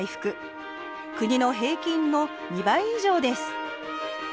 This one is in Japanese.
国の平均の２倍以上です